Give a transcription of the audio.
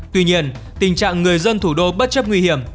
tuy nhiên tình trạng người dân thủ đô bất chấp nguy hiểm